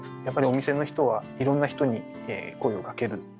やっぱりお店の人はいろんな人に声をかける。